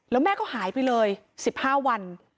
แล้วแม่ก็หายไปเลย๑๕วัน